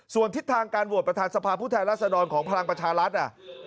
ส่วนทิศทางการโหวตประธานสภาพุทธแห่งราษฎรของพลังประชารัฐอ่ะ